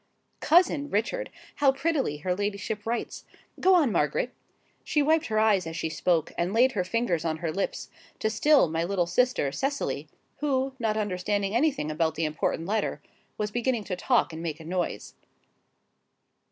COUSIN Richard, how prettily her ladyship writes! Go on, Margaret!" She wiped her eyes as she spoke: and laid her fingers on her lips, to still my little sister, Cecily, who, not understanding anything about the important letter, was beginning to talk and make a noise.